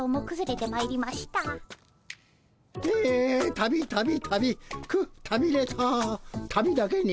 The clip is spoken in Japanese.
「旅旅旅くったびれた旅だけに」。